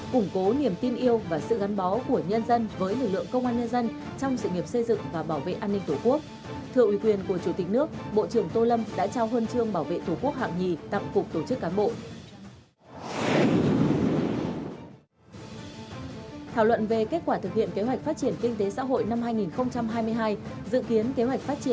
củng cố niềm tin yêu và sự gắn bó của nhân dân với lực lượng công an nhân dân trong sự nghiệp xây dựng và bảo vệ an ninh tổ quốc